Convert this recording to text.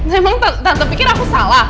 emang tante pikir aku salah